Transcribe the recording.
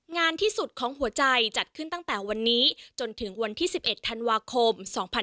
งานที่สุดของหัวใจจัดขึ้นตั้งแต่วันนี้จนถึงวันที่๑๑ธันวาคม๒๕๖๒